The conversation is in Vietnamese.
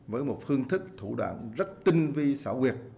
với một phương thức thủ đoạn rất tinh vi xảo quyệt